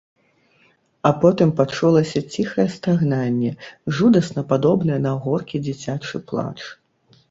А потым пачулася ціхае стагнанне, жудасна падобнае на горкі дзіцячы плач.